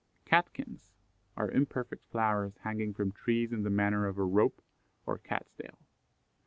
Catkins are imperfect flowers hanging from trees in the manner of a rope or cat's tail.